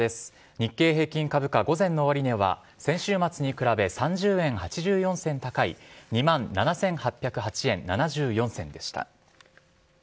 日経平均株価、午前の終値は先週末に比べ３０円８４銭高い２万７８０８円７４銭でした。